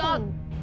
lupa orang itu